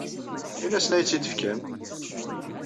Ini-asen ad iyi-tt-id-fken.